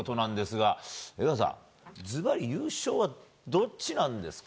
江川さん、ずばり優勝はどっちなんですか？